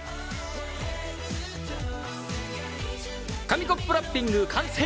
紙コップラッピング完成！